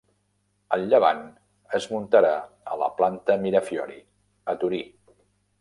El Llevant es muntarà a la planta Mirafiori, a Torí.